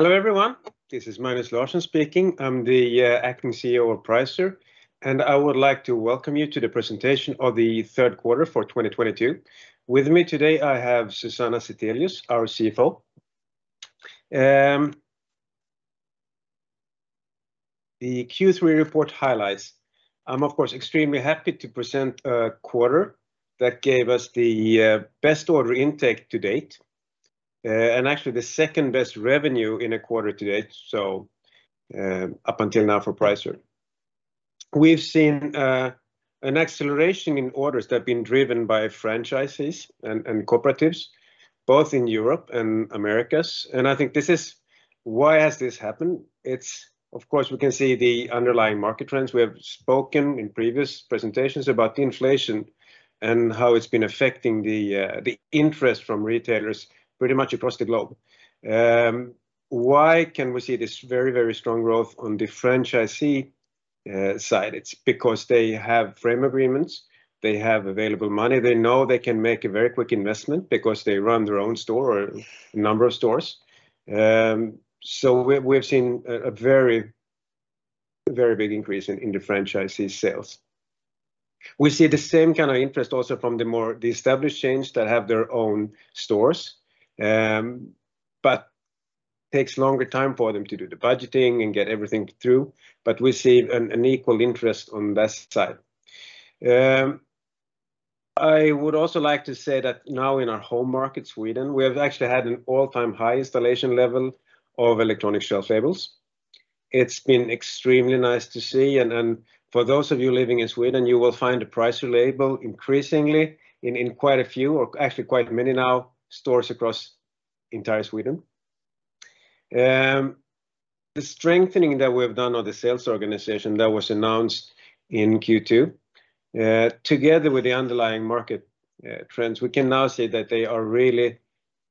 Hello, everyone. This is Magnus Larsson speaking. I'm the acting CEO of Pricer, and I would like to welcome you to the presentation of the third quarter for 2022. With me today I have Susanna Zethelius, our CFO. The Q3 report highlights. I'm of course extremely happy to present a quarter that gave us the best order intake to date, and actually the second best revenue in a quarter to date, so up until now for Pricer. We've seen an acceleration in orders that have been driven by franchises and cooperatives, both in Europe and Americas. I think this is. Why has this happened? It's of course we can see the underlying market trends. We have spoken in previous presentations about the inflation and how it's been affecting the interest from retailers pretty much across the globe. Why can we see this very, very strong growth on the franchisee side? It's because they have frame agreements, they have available money. They know they can make a very quick investment because they run their own store or a number of stores. We've seen a very, very big increase in the franchisee sales. We see the same kind of interest also from the more established chains that have their own stores. Takes longer time for them to do the budgeting and get everything through. I would also like to say that now in our home market, Sweden, we have actually had an all-time high installation level of electronic shelf labels. It's been extremely nice to see. For those of you living in Sweden, you will find a Pricer label increasingly in quite a few or actually quite many now stores across entire Sweden. The strengthening that we have done on the sales organization that was announced in Q2, together with the underlying market trends, we can now say that they are really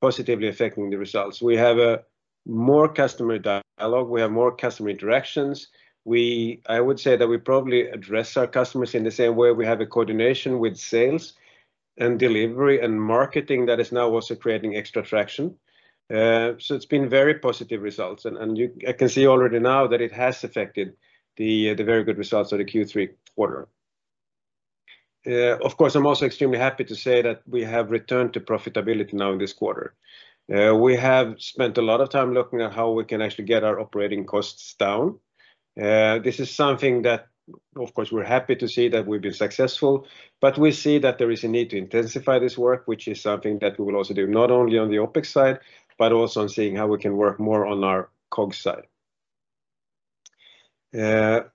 positively affecting the results. We have a more customer dialogue. We have more customer interactions. I would say that we probably address our customers in the same way we have a coordination with sales and delivery and marketing that is now also creating extra traction. It's been very positive results and I can see already now that it has affected the very good results of the Q3 quarter. Of course, I'm also extremely happy to say that we have returned to profitability now in this quarter. We have spent a lot of time looking at how we can actually get our operating costs down. This is something that of course we're happy to see that we've been successful, but we see that there is a need to intensify this work, which is something that we will also do, not only on the OpEx side, but also on seeing how we can work more on our COGS side.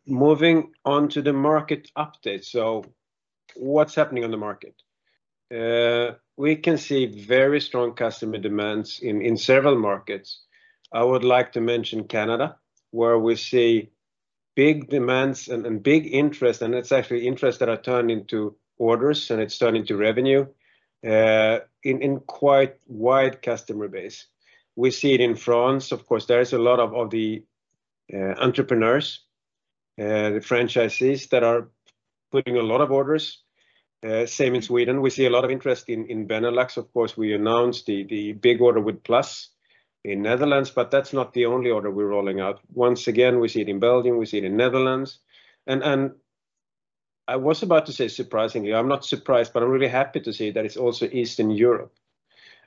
Moving on to the market update. What's happening on the market? We can see very strong customer demands in several markets. I would like to mention Canada, where we see big demands and big interest, and it's actually interest that are turned into orders and it's turned into revenue, in quite wide customer base. We see it in France, of course there is a lot of the entrepreneurs, the franchisees that are putting a lot of orders. Same in Sweden. We see a lot of interest in Benelux. Of course, we announced the big order with PLUS in Netherlands, but that's not the only order we're rolling out. Once again, we see it in Belgium, we see it in Netherlands. I was about to say surprisingly, I'm not surprised, but I'm really happy to see that it's also Eastern Europe.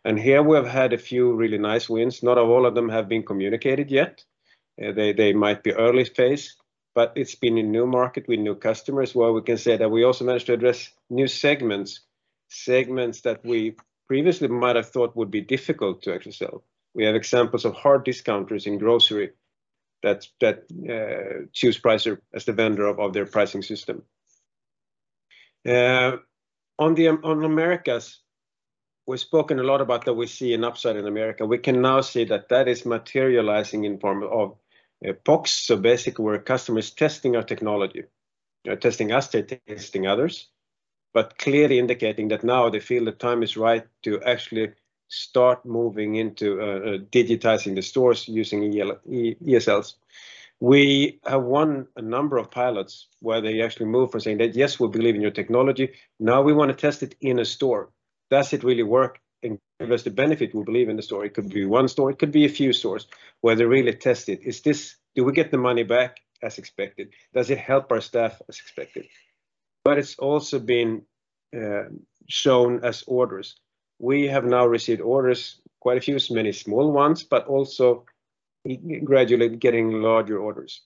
Here we have had a few really nice wins. Not all of them have been communicated yet. They might be early phase, but it's been a new market with new customers where we can say that we also managed to address new segments. Segments that we previously might have thought would be difficult to actually sell. We have examples of hard discounters in grocery that choose Pricer as the vendor of their pricing system. In the Americas, we've spoken a lot about that we see an upside in the Americas. We can now see that is materializing in form of POCs. Basically where a customer is testing our technology. They're testing us, they're testing others, but clearly indicating that now they feel the time is right to actually start moving into digitizing the stores using ESLs. We have won a number of pilots where they actually move from saying that, "Yes, we believe in your technology. Now we wanna test it in a store. Does it really work and give us the benefit we believe in the store?" It could be one store, it could be a few stores, where they really test it. "Is this? Do we get the money back as expected? Does it help our staff as expected?" But it's also been shown as orders. We have now received orders, quite a few, many small ones, but also gradually getting larger orders.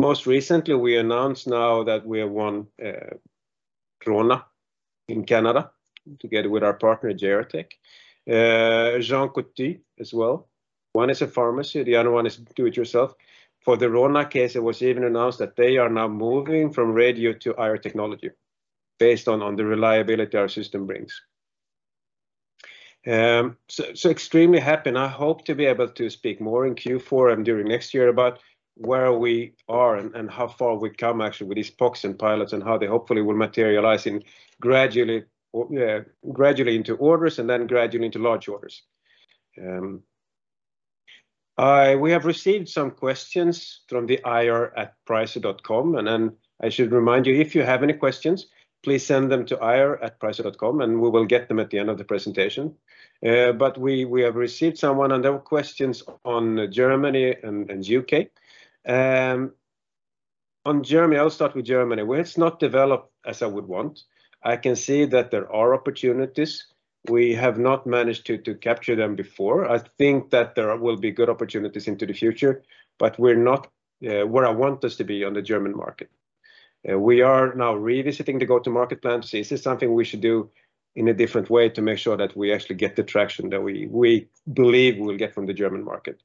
Most recently we announced now that we have won RONA in Canada together with our partner JRTech. Jean Coutu as well. One is a pharmacy, the other one is do it yourself. For the RONA case, it was even announced that they are now moving from radio to IR technology based on the reliability our system brings. extremely happy and I hope to be able to speak more in Q4 and during next year about where we are and how far we've come actually with these POCs and pilots and how they hopefully will materialize gradually into orders and then gradually into large orders. We have received some questions from ir@pricer.com, and then I should remind you, if you have any questions, please send them to ir@pricer.com and we will get them at the end of the presentation. We have received some, and there were questions on Germany and UK. On Germany, I'll start with Germany, where it's not developed as I would want. I can see that there are opportunities. We have not managed to capture them before. I think that there will be good opportunities into the future, but we're not where I want us to be on the German market. We are now revisiting the go-to-market plan. This is something we should do in a different way to make sure that we actually get the traction that we believe we'll get from the German market.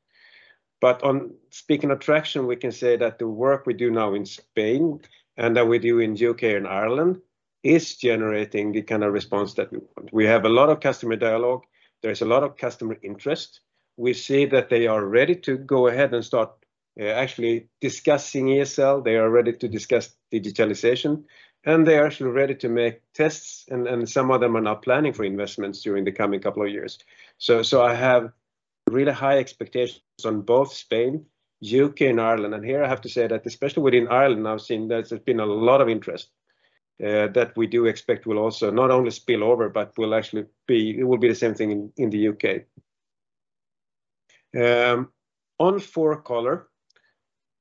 On speaking of traction, we can say that the work we do now in Spain and that we do in UK and Ireland is generating the kind of response that we want. We have a lot of customer dialogue. There is a lot of customer interest. We see that they are ready to go ahead and start actually discussing ESL. They are ready to discuss digitalization, and they are actually ready to make tests, and some of them are now planning for investments during the coming couple of years. I have really high expectations on both Spain, U.K., and Ireland. Here I have to say that especially within Ireland, I've seen there's been a lot of interest that we do expect will also not only spill over, but will actually be the same thing in the U.K. On 4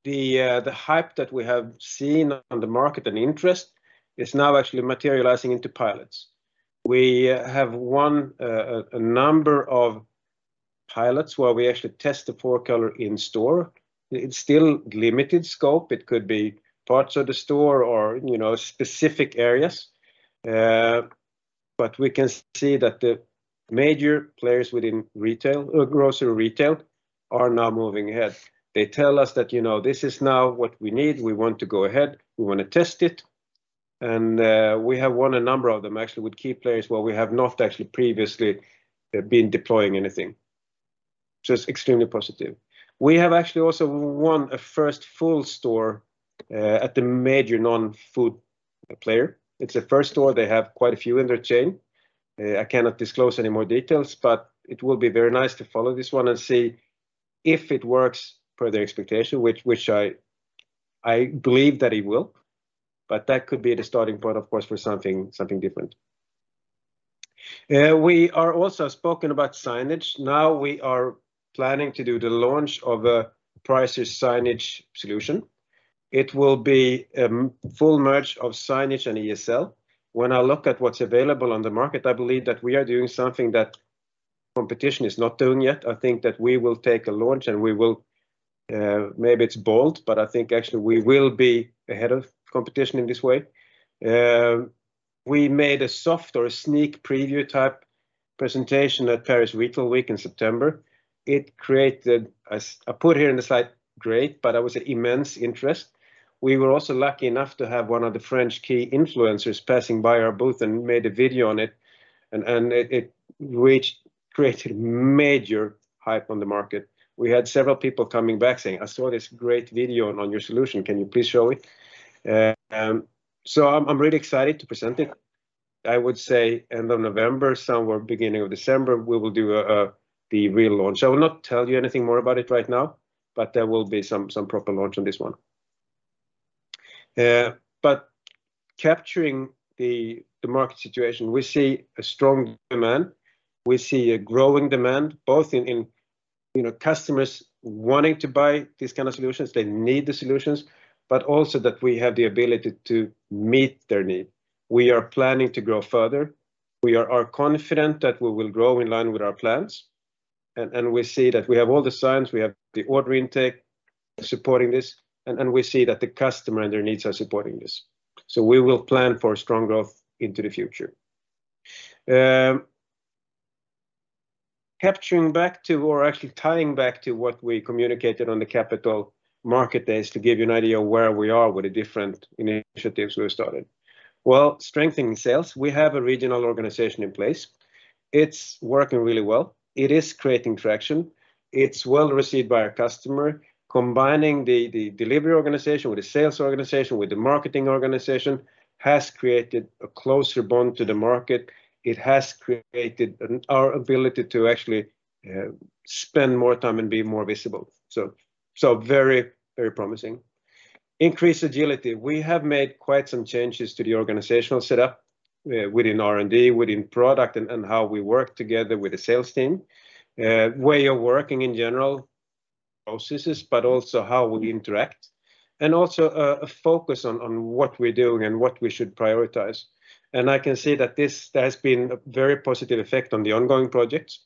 Color, the hype that we have seen on the market and interest is now actually materializing into pilots. We have won a number of pilots where we actually test the 4Color in store. It's still limited scope. It could be parts of the store or, you know, specific areas. We can see that the major players within retail or grocery retail are now moving ahead. They tell us that, you know, "This is now what we need. We want to go ahead. We wanna test it." We have won a number of them actually with key players where we have not actually previously been deploying anything. It's extremely positive. We have actually also won a first full store at the major non-food player. It's the first store. They have quite a few in their chain. I cannot disclose any more details, but it will be very nice to follow this one and see if it works per their expectation, which I believe that it will. That could be the starting point, of course, for something different. We are also speaking about signage. We are planning to do the launch of a Pricer signage solution. It will be full merge of signage and ESL. When I look at what's available on the market, I believe that we are doing something that competition is not doing yet. I think that we will take a launch, and we will maybe it's bold, but I think actually we will be ahead of competition in this way. We made a soft or a sneak preview-type presentation at Paris Retail Week in September. It created a stir. I put here in the slide great, but that was an immense interest. We were also lucky enough to have one of the French key influencers passing by our booth and made a video on it, and it created major hype on the market. We had several people coming back saying, "I saw this great video on your solution. Can you please show me?" I'm really excited to present it. I would say end of November, somewhere beginning of December, we will do the real launch. I will not tell you anything more about it right now, but there will be some proper launch on this one. Capturing the market situation, we see a strong demand. We see a growing demand both in you know, customers wanting to buy these kind of solutions. They need the solutions, but also that we have the ability to meet their need. We are planning to grow further. We are confident that we will grow in line with our plans, and we see that we have all the signs. We have the order intake supporting this, and we see that the customer and their needs are supporting this. We will plan for strong growth into the future. Capturing back to or actually tying back to what we communicated on the Capital Markets Days to give you an idea of where we are with the different initiatives we've started. Well, strengthening sales, we have a regional organization in place. It's working really well. It is creating traction. It's well received by our customer. Combining the delivery organization with the sales organization, with the marketing organization has created a closer bond to the market. It has created our ability to actually spend more time and be more visible. Very promising. Increased agility. We have made quite some changes to the organizational setup, within R&D, within product, and how we work together with the sales team, way of working in general processes, but also how we interact, and also, a focus on what we're doing and what we should prioritize. I can see that this has been a very positive effect on the ongoing projects.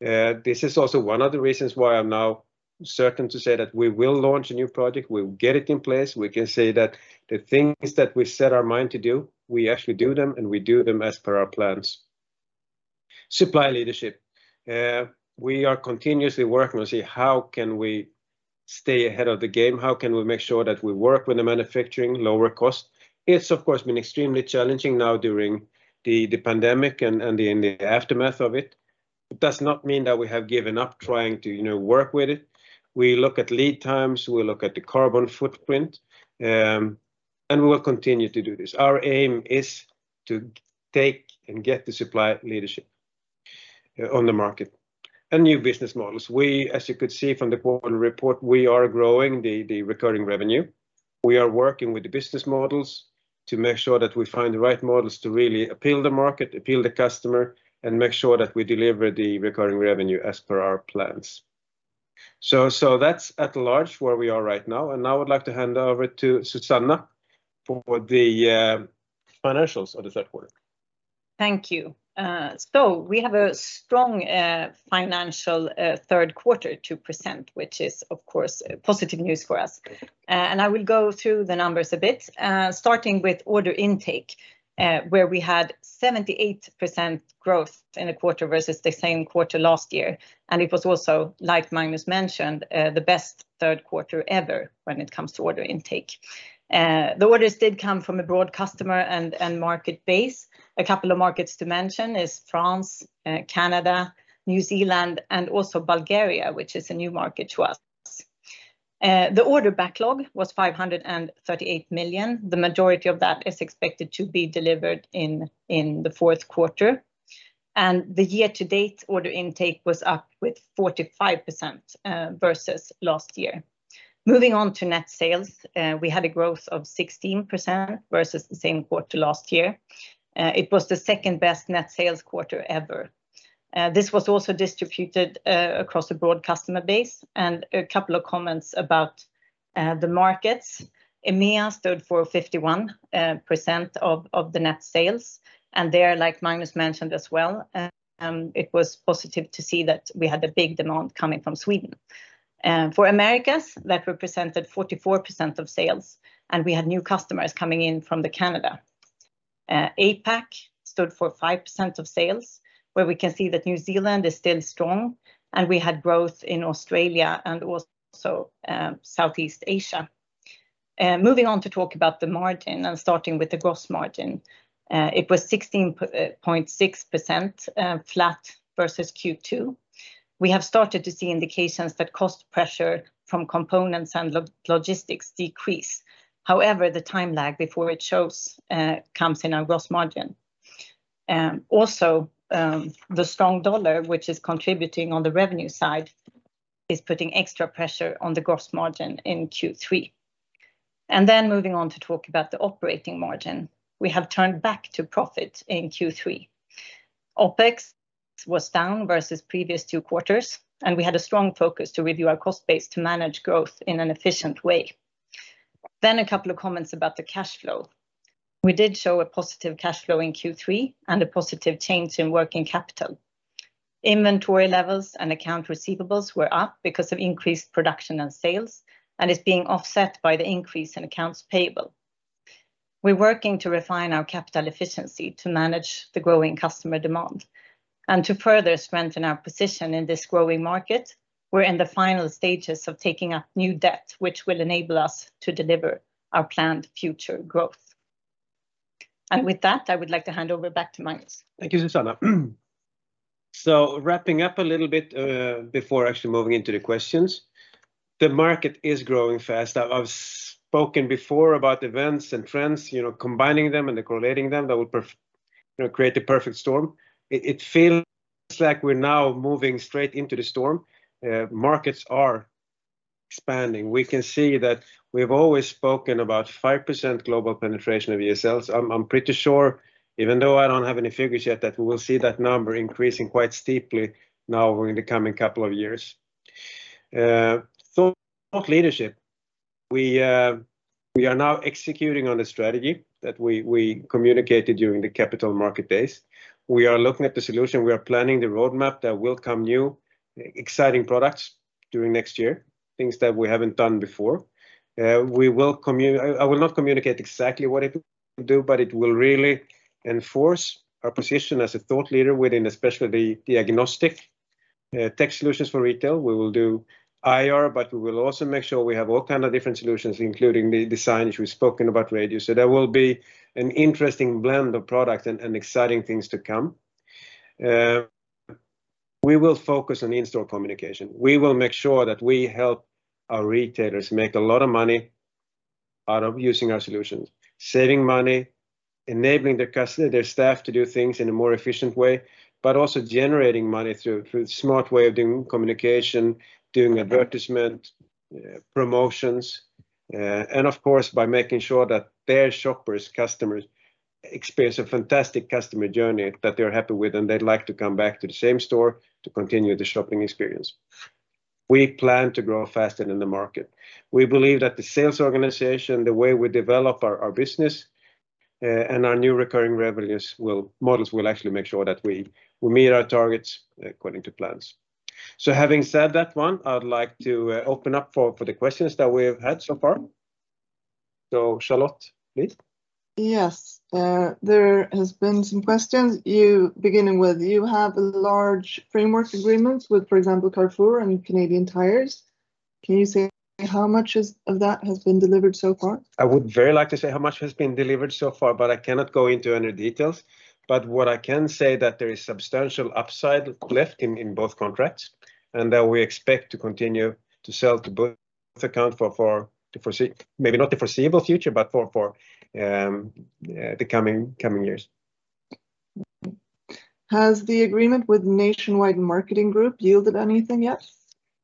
This is also one of the reasons why I'm now certain to say that we will launch a new project, we will get it in place. We can say that the things that we set our mind to do, we actually do them, and we do them as per our plans. Supply leadership. We are continuously working to see how can we stay ahead of the game, how can we make sure that we work with the manufacturing, lower cost. It's, of course, been extremely challenging now during the pandemic and in the aftermath of it. It does not mean that we have given up trying to, you know, work with it. We look at lead times. We look at the carbon footprint. We will continue to do this. Our aim is to take and get the supply leadership on the market and new business models. We, as you could see from the quarter report, we are growing the recurring revenue. We are working with the business models to make sure that we find the right models to really appeal the market, appeal the customer, and make sure that we deliver the recurring revenue as per our plans. That's at large where we are right now, and now I would like to hand over to Susanna for the financials of the third quarter. Thank you. We have a strong financial third quarter, 2%, which is of course positive news for us. I will go through the numbers a bit, starting with order intake, where we had 78% growth in the quarter versus the same quarter last year. It was also, like Magnus mentioned, the best third quarter ever when it comes to order intake. The orders did come from a broad customer and market base. A couple of markets to mention is France, Canada, New Zealand, and also Bulgaria, which is a new market to us. The order backlog was 538 million. The majority of that is expected to be delivered in the fourth quarter. The year-to-date order intake was up with 45%, versus last year. Moving on to net sales, we had a growth of 16% versus the same quarter last year. It was the second-best net sales quarter ever. This was also distributed across a broad customer base, and a couple of comments about the markets. EMEA stood for 51% of the net sales, and there, like Magnus mentioned as well, it was positive to see that we had a big demand coming from Sweden. For Americas, that represented 44% of sales, and we had new customers coming in from Canada. APAC stood for 5% of sales, where we can see that New Zealand is still strong, and we had growth in Australia and also Southeast Asia. Moving on to talk about the margin and starting with the gross margin. It was 16.6%, flat versus Q2. We have started to see indications that cost pressure from components and logistics decrease. However, the time lag before it shows comes in our gross margin. Also, the strong dollar, which is contributing on the revenue side, is putting extra pressure on the gross margin in Q3. Moving on to talk about the operating margin. We have turned back to profit in Q3. OpEx was down versus previous two quarters, and we had a strong focus to review our cost base to manage growth in an efficient way. A couple of comments about the cash flow. We did show a positive cash flow in Q3 and a positive change in working capital. Inventory levels and accounts receivable were up because of increased production and sales, and it's being offset by the increase in accounts payable. We're working to refine our capital efficiency to manage the growing customer demand. To further strengthen our position in this growing market, we're in the final stages of taking up new debt, which will enable us to deliver our planned future growth. With that, I would like to hand over back to Magnus. Thank you, Susanna. Wrapping up a little bit, before actually moving into the questions, the market is growing fast. I've spoken before about events and trends, you know, combining them and correlating them, that will create the perfect storm. It feels like we're now moving straight into the storm. Markets are expanding. We can see that we've always spoken about 5% global penetration of ESLs. I'm pretty sure, even though I don't have any figures yet, that we will see that number increasing quite steeply now over in the coming couple of years. Thought leadership. We are now executing on a strategy that we communicated during the Capital Markets Day. We are looking at the solution. We are planning the roadmap. There will come new, exciting products during next year, things that we haven't done before. I will not communicate exactly what it will do, but it will really enforce our position as a thought leader within especially the diagnostic tech solutions for retail. We will do IR, but we will also make sure we have all kind of different solutions, including the design, which we've spoken about radio. There will be an interesting blend of product and exciting things to come. We will focus on in-store communication. We will make sure that we help our retailers make a lot of money out of using our solutions, saving money, enabling their staff to do things in a more efficient way, but also generating money through smart way of doing communication, doing advertisement, promotions, and of course, by making sure that their shoppers, customers experience a fantastic customer journey that they're happy with, and they'd like to come back to the same store to continue the shopping experience. We plan to grow faster than the market. We believe that the sales organization, the way we develop our business, and our new recurring revenue models will actually make sure that we meet our targets according to plans. Having said that one, I would like to open up for the questions that we've had so far. Charlotte, please. Yes. There has been some questions. Beginning with, you have large framework agreements with, for example, Carrefour and Canadian Tire. Can you say how much of that has been delivered so far? I would very much like to say how much has been delivered so far, but I cannot go into any details. What I can say is that there is substantial upside left in both contracts, and that we expect to continue to sell to both accounts for maybe not the foreseeable future, but for the coming years. Has the agreement with Nationwide Marketing Group yielded anything yet?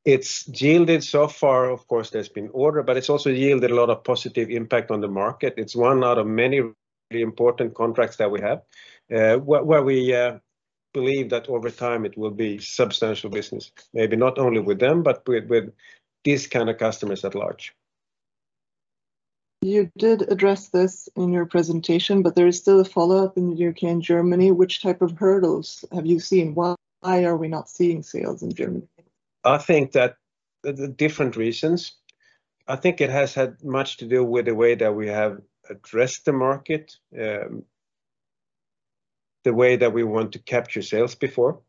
It's yielded so far, of course, there's been order, but it's also yielded a lot of positive impact on the market. It's one out of many important contracts that we have, where we believe that over time it will be substantial business, maybe not only with them, but with these kind of customers at large. You did address this in your presentation, but there is still a follow-up in the UK and Germany. Which type of hurdles have you seen? Why are we not seeing sales in Germany? I think that the different reasons, I think it has had much to do with the way that we have addressed the market, the way that we want to capture sales before.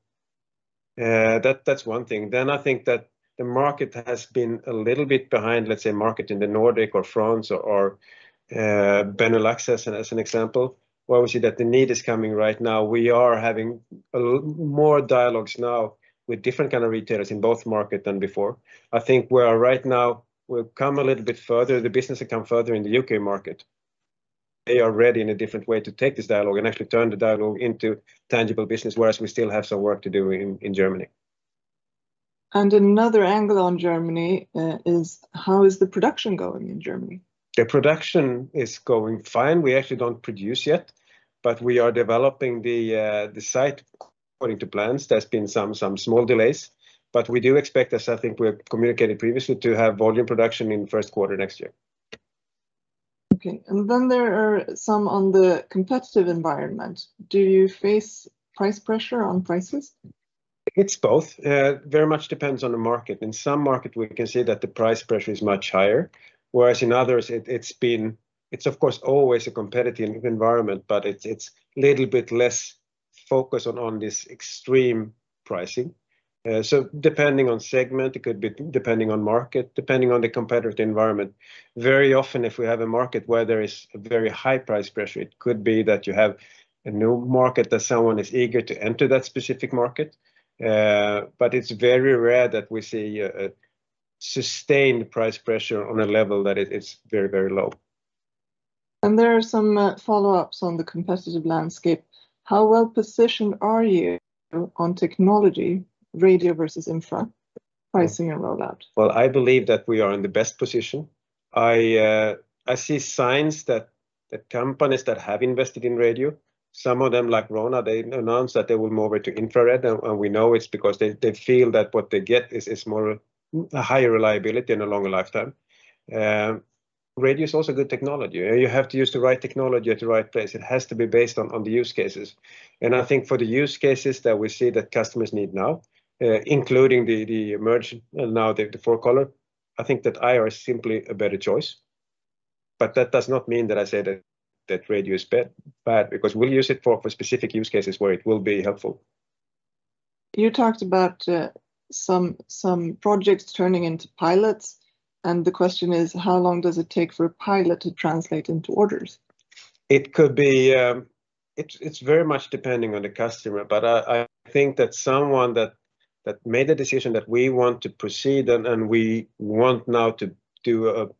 That's one thing. I think that the market has been a little bit behind, let's say, markets in the Nordic or France or Benelux, as an example, where we see that the need is coming right now. We are having a lot more dialogues now with different kind of retailers in both markets than before. I think where right now we've come a little bit further, the business has come further in the UK market. They are ready in a different way to take this dialogue and actually turn the dialogue into tangible business, whereas we still have some work to do in Germany. Another angle on Germany is how is the production going in Germany? The production is going fine. We actually don't produce yet, but we are developing the site according to plans. There's been some small delays, but we do expect, as I think we have communicated previously, to have volume production in first quarter next year. Okay. There are some on the competitive environment. Do you face price pressure on prices? It's both. Very much depends on the market. In some market we can see that the price pressure is much higher, whereas in others it's been. It's of course always a competitive environment, but it's little bit less focus on this extreme pricing. Depending on segment, it could be depending on market, depending on the competitive environment. Very often if we have a market where there is a very high price pressure, it could be that you have a new market that someone is eager to enter that specific market. It's very rare that we see a sustained price pressure on a level that it is very, very low. There are some follow-ups on the competitive landscape. How well-positioned are you on technology, radio versus infra, pricing and rollout? I believe that we are in the best position. I see signs that the companies that have invested in radio, some of them, like RONA, they announced that they will move over to infrared, and we know it's because they feel that what they get is more, a higher reliability and a longer lifetime. Radio is also a good technology. You have to use the right technology at the right place. It has to be based on the use cases. I think for the use cases that we see that customers need now, including the merge and now the four color, I think that IR is simply a better choice. That does not mean that I say that radio is bad, because we'll use it for specific use cases where it will be helpful. You talked about some projects turning into pilots, and the question is how long does it take for a pilot to translate into orders? It could be. It's very much depending on the customer, but I think that someone that made the decision that we want to proceed and we want now to do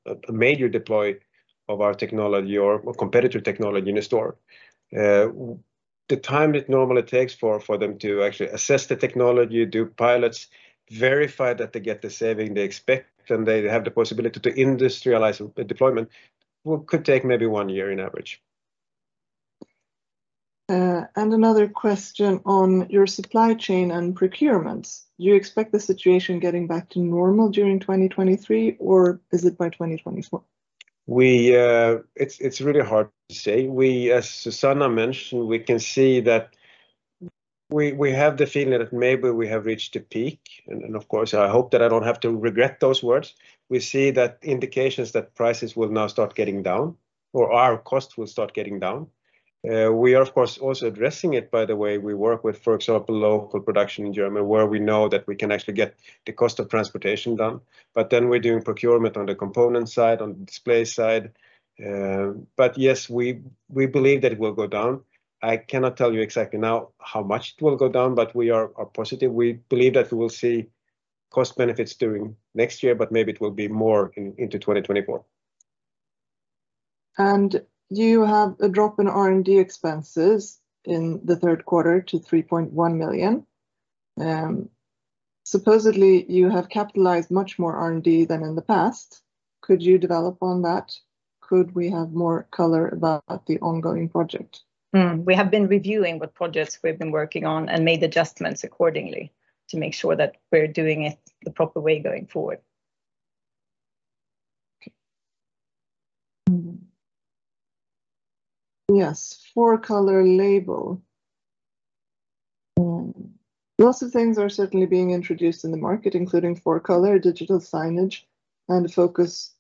a major deployment of our technology or competitor technology in a store, the time it normally takes for them to actually assess the technology, do pilots, verify that they get the savings they expect, and they have the possibility to industrialize the deployment could take maybe one year on average. Another question on your supply chain and procurements. You expect the situation getting back to normal during 2023, or is it by 2024? It's really hard to say. We, as Susanna mentioned, we can see that we have the feeling that maybe we have reached a peak. Of course I hope that I don't have to regret those words. We see that indications that prices will now start getting down, or our cost will start getting down. We are of course also addressing it, by the way. We work with, for example, local production in Germany, where we know that we can actually get the cost of transportation down. Then we're doing procurement on the component side, on the display side. Yes, we believe that it will go down. I cannot tell you exactly now how much it will go down, but we are positive. We believe that we will see cost benefits during next year, but maybe it will be more into 2024. You have a drop in R&D expenses in the third quarter to 3.1 million. Supposedly you have capitalized much more R&D than in the past. Could you develop on that? Could we have more color about the ongoing project? We have been reviewing what projects we've been working on and made adjustments accordingly to make sure that we're doing it the proper way going forward. Yes, four color label. Lots of things are certainly being introduced in the market, including four color, digital signage, and a focused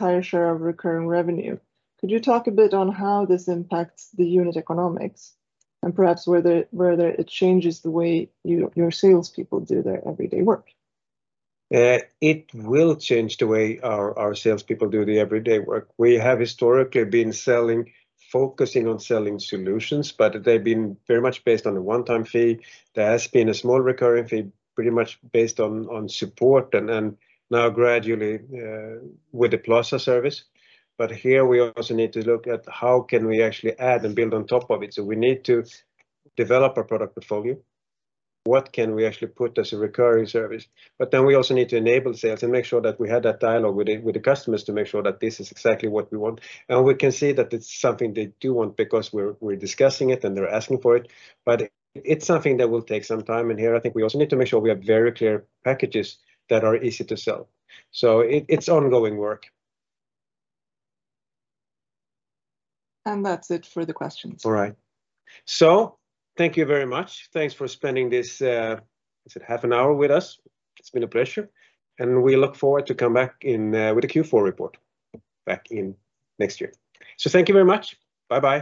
higher share of recurring revenue. Could you talk a bit on how this impacts the unit economics and perhaps whether it changes the way your salespeople do their everyday work? It will change the way our salespeople do the everyday work. We have historically been selling, focusing on selling solutions, but they've been very much based on a one-time fee. There has been a small recurring fee, pretty much based on support and now gradually with the Plaza service. Here we also need to look at how can we actually add and build on top of it. We also need to develop our product portfolio. What can we actually put as a recurring service? We also need to enable sales and make sure that we have that dialogue with the customers to make sure that this is exactly what we want. We can see that it's something they do want because we're discussing it and they're asking for it. It's something that will take some time. Here I think we also need to make sure we have very clear packages that are easy to sell. It's ongoing work. That's it for the questions. All right. Thank you very much. Thanks for spending this, is it half an hour with us? It's been a pleasure, and we look forward to come back in, with the Q4 report back in next year. Thank you very much. Bye-bye.